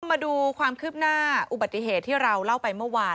มาดูความคืบหน้าอุบัติเหตุที่เราเล่าไปเมื่อวาน